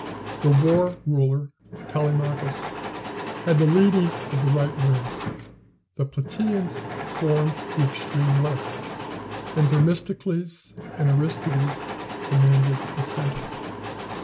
The War ruler, Callimachus, had the leading of the right wing; the Platæans formed the extreme left; and Themistocles and Aristides commanded the centre.